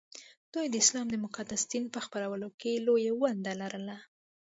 دوی د اسلام د مقدس دین په خپرولو کې لویه ونډه لرله